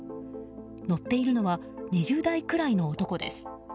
乗っているのは２０代くらいの男です。